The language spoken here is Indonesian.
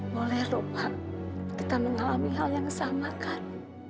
boleh lupa kita mengalami hal yang sama kan